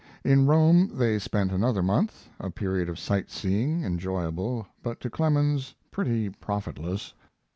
In Rome they spent another month a period of sight seeing, enjoyable, but to Clemens pretty profitless.